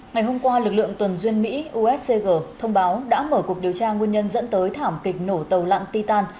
ngày hôm qua lực lượng tuần duyên mỹ uscg thông báo đã mở cuộc điều tra nguyên nhân dẫn tới thảm kịch nổ tàu lặn titan